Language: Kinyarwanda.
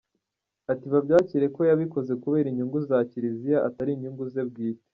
" Ati "Babyakire ko yabikoze kubera inyungu za Kiliziya atari inyungu ze bwite.